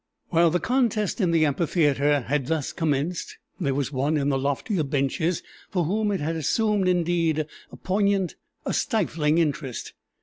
... While the contest in the amphitheatre had thus commenced, there was one in the loftier benches for whom it had assumed indeed a poignant, a stifling interest.